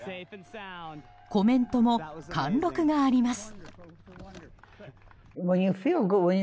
コメントも貫禄があります。